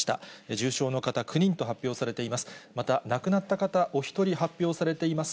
重症の方、９人と発表されています。